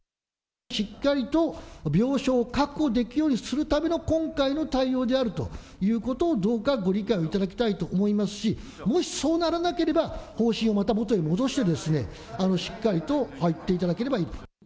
しっかりと病床を確保できるようにするための今回の対応であるということを、どうかご理解をいただきたいと思いますし、もしそうならなければ、方針をまた元に戻して、しっかりと入っていただければいいと。